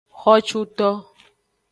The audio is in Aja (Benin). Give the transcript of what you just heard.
Xocuto.